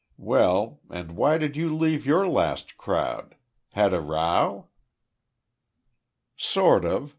Well, and why did you leave your last crowd? Had a row?" "Sort of.